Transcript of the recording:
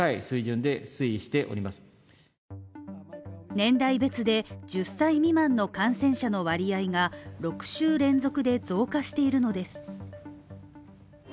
年代別で１０歳未満の感染者の割合が６週連続で増加しているのです。